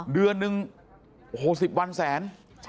อ้อเดือนนึงโอ้โหสิบวันแสน